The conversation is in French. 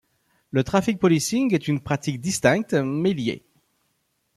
Le Traffic policing est une pratique distincte, mais liée.